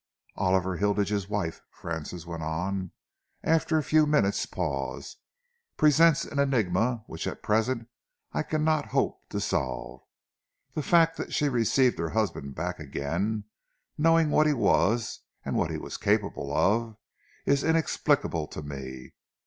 "Oliver Hilditch's wife," Francis went on, after a few minutes' pause, "presents an enigma which at present I cannot hope to solve. The fact that she received her husband back again, knowing what he was and what he was capable of, is inexplicable to me.